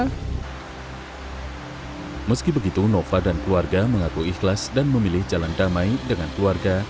hai meski begitu nova dan keluarga mengaku ikhlas dan memilih jalan damai dengan keluarga